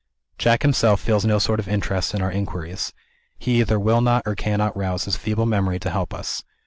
Jack himself feels no sort of interest in our inquiries. He either will not or cannot rouse his feeble memory to help us.